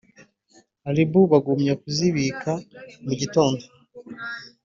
Abiru bagumya kuzibika mu gitondo